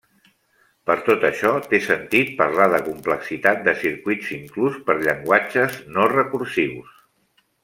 Per tot això, té sentit parlar de complexitat de circuits inclús per llenguatges no recursius.